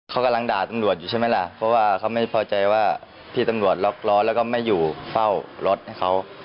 เขากำลังด่าตำรวจอยู่ใช่ไหมล่ะเพราะว่าเขาไม่พอใจว่าพี่ตำรวจล็อกล้อแล้วก็ไม่อยู่เฝ้ารถให้เขา